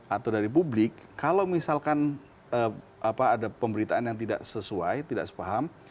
atau dari publik kalau misalkan ada pemberitaan yang tidak sesuai tidak sepaham